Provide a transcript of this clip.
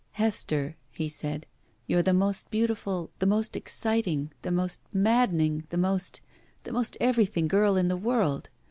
"Hester," he said, "you're the most beautiful, the most exciting, the most maddening, the most — the most everything girl in the world!